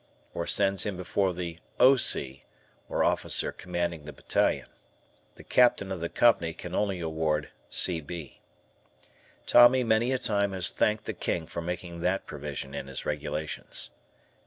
or sends him before the O. C. (Officer Commanding Battalion). The Captain of the Company can only award "C. B." Tommy many a time has thanked the King for making that provision in his regulations.